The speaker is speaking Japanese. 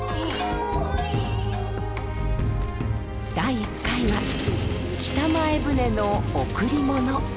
第１回は「北前船の贈りもの」。